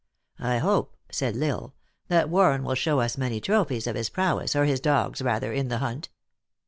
" I hope," said L Isle, " that Warren will show us many trophies of his prowess, or his dog s rather, in the hunt."